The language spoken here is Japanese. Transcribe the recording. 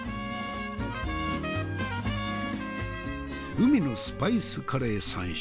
海のスパイスカレー３種。